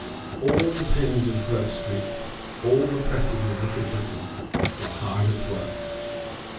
All the pens of Grub Street, all the presses of Little Britain, were hard at work.